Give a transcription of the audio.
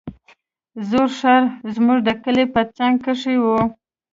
زوړ ښار زموږ د کلي په څنگ کښې و.